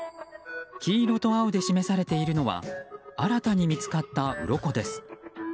黄色と青で示されているのは新たに見つかったうろこです。